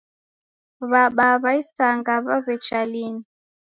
Wabaa wa isanga wawecha linu